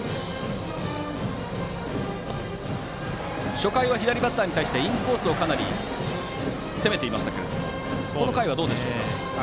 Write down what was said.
初回は左バッターに対してインコースをかなり攻めていましたけどもこの回はどうでしょうか。